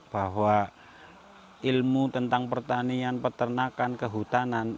bahwa ilmu tentang pertanian peternakan kehutanan